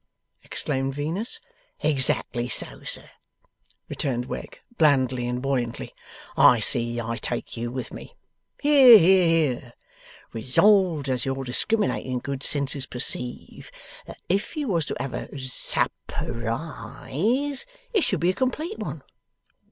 exclaimed Venus. 'Exactly so, sir!' returned Wegg, blandly and buoyantly. 'I see I take you with me! Hear, hear, hear! Resolved, as your discriminating good sense perceives, that if you was to have a sap pur IZE, it should be a complete one!